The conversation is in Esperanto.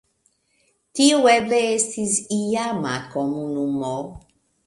Tiu eble estis iama komunumo.